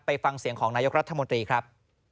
ฟังเสียงของนายกรัฐมนตรีครับ